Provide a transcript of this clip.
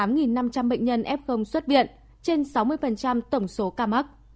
nguyên nhân f xuất viện trên sáu mươi tổng số ca mắc